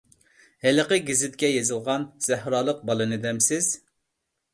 ھېلىقى گېزىتكە يېزىلغان سەھرالىق بالىنى دەمسىز؟